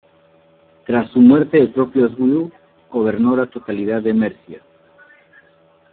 Tras su muerte el propio Oswiu gobernó la totalidad de Mercia.